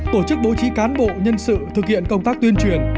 tổ chức bố trí cán bộ nhân sự thực hiện công tác tuyên truyền